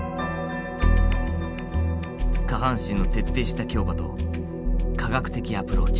下半身の徹底した強化と科学的アプローチ。